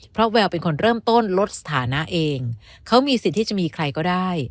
เพราะแววเป็นคนเริ่มต้นลดสถานะเองเขามีสิทธิ์ที่จะมีใครก็ได้